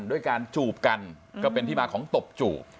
ด้วยการจูบกันก็เป็นที่มาของตบจูบ